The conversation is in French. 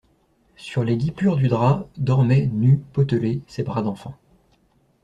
Sur les guipures du drap, dormaient, nus, potelés, ses bras d'enfant.